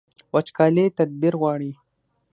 وچکالي تدبیر غواړي